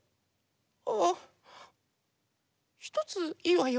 ああひとついいわよ。